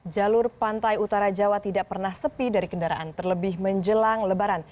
jalur pantai utara jawa tidak pernah sepi dari kendaraan terlebih menjelang lebaran